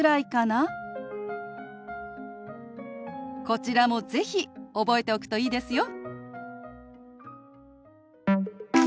こちらも是非覚えておくといいですよ。